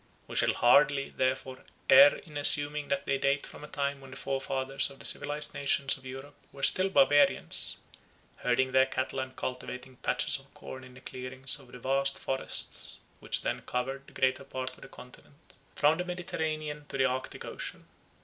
We shall hardly, therefore, err in assuming that they date from a time when the forefathers of the civilised nations of Europe were still barbarians, herding their cattle and cultivating patches of corn in the clearings of the vast forests, which then covered the greater part of the continent, from the Mediterranean to the Arctic Ocean.